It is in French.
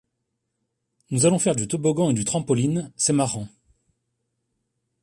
Nous allons faire du toboggan et du trampoline, c'est marrant !